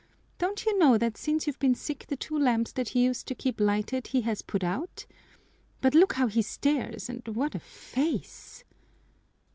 Don't you know that since you've been sick the two lamps that he used to keep lighted he has had put out? But look how he stares, and what a face!"